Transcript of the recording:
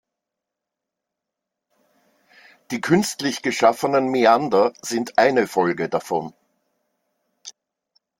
Die künstlich geschaffenen Mäander sind eine Folge davon.